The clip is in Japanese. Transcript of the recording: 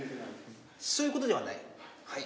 そういうことではない？